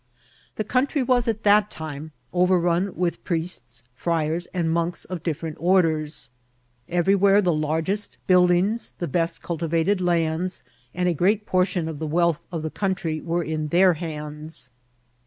The country was at that time overrun with priests, friars, and monks of diffisrent <nr* ders. Everywhere the largest buildings, the best culti* vated lands, and a great portion of the wealth of the country were in their hands.